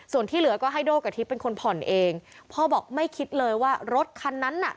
ส่วนที่เหลือก็ให้โด่กับทิพย์เป็นคนผ่อนเองพ่อบอกไม่คิดเลยว่ารถคันนั้นน่ะ